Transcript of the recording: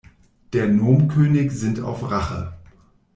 Der Nom-König sinnt auf Rache.